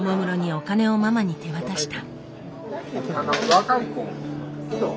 お金をママに手渡した。